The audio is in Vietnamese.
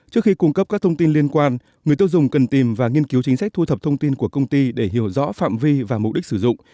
trước khi cung cấp các thông tin liên quan người tiêu dùng cần tìm và nghiên cứu chính sách thu thập thông tin của công ty để hiểu rõ phạm vi và mục đích sử dụng